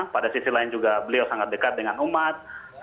pada sisi lain juga beliau sangat dekat dengan umat